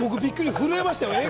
震えましたよ。